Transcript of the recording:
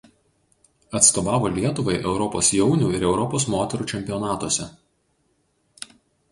Atstovavo Lietuvai Europos jaunių ir Europos moterų čempionatuose.